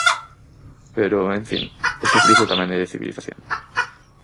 Pero, en fin, esta crise tamén é de civilización.